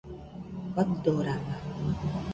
Faɨdorama